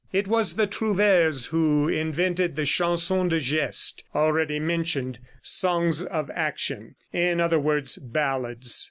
It was the trouvères who invented the Chansons de Geste already mentioned songs of action; in other words, ballads.